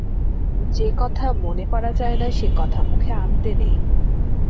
যে কথা মনে করা যায় না সে কথা মুখে আনতে নেই।